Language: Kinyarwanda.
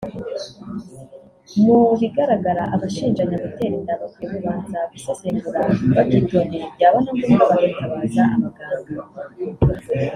Mu bigaragara abashinjanya gutera inda bakwiye kubanza gusesengura babyitondeye byaba na ngombwa bakitabaza abaganga